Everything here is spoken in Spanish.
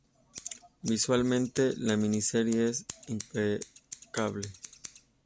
Visualmente la miniserie es impecable.